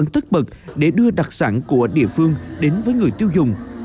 được để đưa đặc sản của địa phương đến với người tiêu dùng